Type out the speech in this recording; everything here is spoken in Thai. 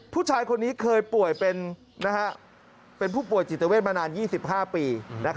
ผู้ชายคนนี้เคยป่วยเป็นผู้ป่วยจิตเวทมานาน๒๕ปี